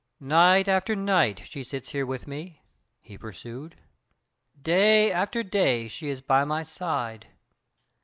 "Night after night She sits here with me," he pursued; "day after day She is by my side.